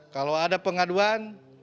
kalau ada pengaduan